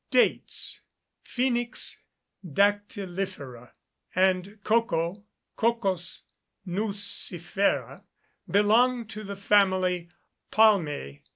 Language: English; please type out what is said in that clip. Dates (Phoenix dactylifera), and cocoa (Cocos nucifera), belonging to the family Palmæ.